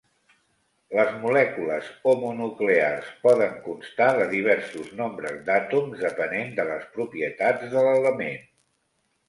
Les molècules homonuclears poden constar de diversos nombres d'àtoms, depenent de les propietats de l'element.